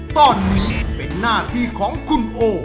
ตอนนี้เป็นหน้าที่ของคุณโอ